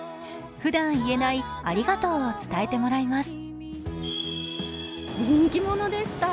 ふだん言えない「ありがとう」を伝えてもらいます。